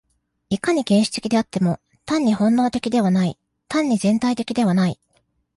いかに原始的であっても、単に本能的ではない、単に全体的ではない。